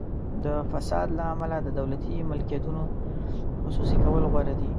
د فساد له امله د دولتي ملکیتونو خصوصي کول غوره دي.